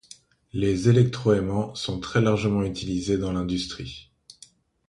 Les électroaimants sont très largement utilisés dans l’industrie.